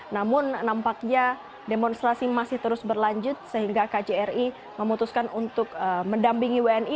namun nampaknya demonstrasi masih terus berlanjut sehingga kjri memutuskan untuk mendampingi wni